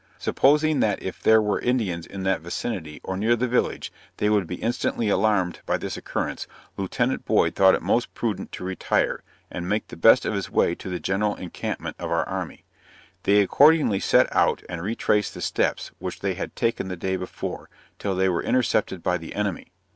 Supposing that if there were Indians in that vicinity, or near the village, they would be instantly alarmed by this occurrence, Lieut. Boyd thought it most prudent to retire, and make the best of his way to the general encampment of our army. They accordingly set out and retraced the steps which they had taken the day before, till they were intercepted by the enemy.